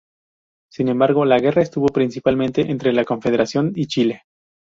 Sin embargo, la guerra estuvo principalmente entre la Confederación y Chile.